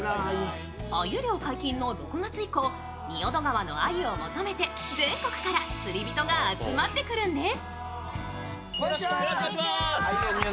鮎漁解禁の６月以降、仁淀川の鮎を求めて全国から釣り人が集まってくるんです。